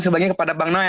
sebagian kepada bang noel